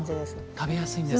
食べやすいんですね。